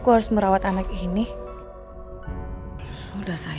kamu yang sudah tanggung jawab